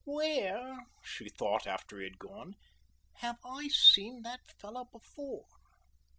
"Where," she thought after he had gone, "have I seen that fellow before?"